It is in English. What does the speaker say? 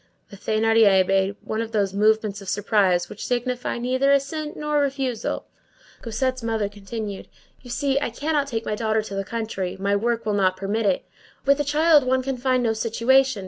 The Thénardier made one of those movements of surprise which signify neither assent nor refusal. Cosette's mother continued:— "You see, I cannot take my daughter to the country. My work will not permit it. With a child one can find no situation.